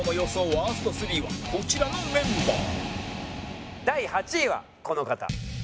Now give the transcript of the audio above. ワースト３はこちらのメンバー